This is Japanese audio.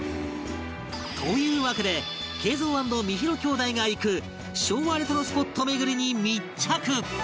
というわけで桂三＆みひろ兄妹が行く昭和レトロスポット巡りに密着